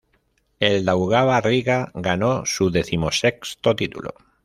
El Daugava Riga ganó su decimosexto título.